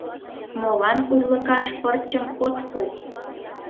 — Молан урлыкаш пырчым от пу?